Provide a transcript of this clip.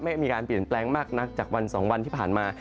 ไม่มีการเปลี่ยนแปลงมากนักจากวัน๒วันที่ผ่านมา